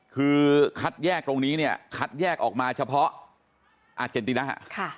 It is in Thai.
คือคัดแยกตรงนี้เนี่ยคัดแยกออกมาเฉพาะอาเจนติน่า